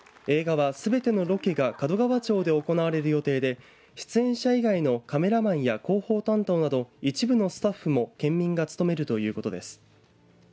映画はすべてのロケが門川町で行われる予定で出演者以外のカメラマンや広報担当など一部のスタッフも県民が務めるということです。